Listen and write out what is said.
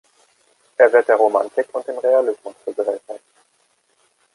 Er wird der Romantik und dem Realismus zugerechnet.